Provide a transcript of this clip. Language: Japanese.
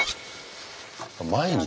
毎日。